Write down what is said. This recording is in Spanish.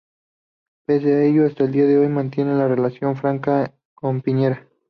Pese a ello, hasta el día de hoy mantiene una relación franca con Piñera.